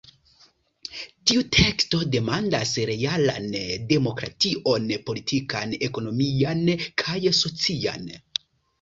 Tiu teksto demandas realan demokration politikan, ekonomian kaj socian.